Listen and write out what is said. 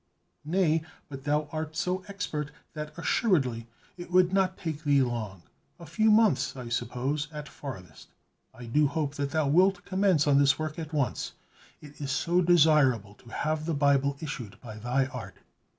"Nay; but thou art so expert that assuredly it would not take thee long, a few months, I suppose, at farthest. I do hope that thou wilt commence on this work at once. It is so desirable to have the Bible issued by thy art."